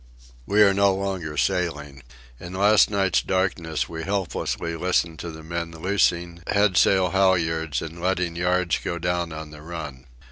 We are no longer sailing. In last night's darkness we helplessly listened to the men loosing headsail halyards and letting yards go down on the run.